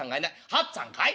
八っつぁんかい？